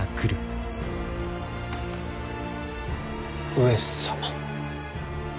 上様？